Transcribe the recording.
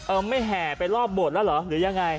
ไม่แห่ไปรอบโบสถแล้วเหรอหรือยังไง